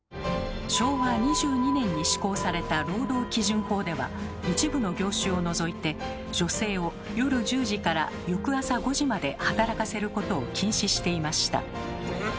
昭和２２年に施行された労働基準法では一部の業種を除いて女性を夜１０時から翌朝５時まで働かせることを禁止していました。